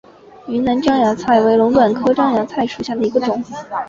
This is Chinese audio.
云南獐牙菜为龙胆科獐牙菜属下的一个种。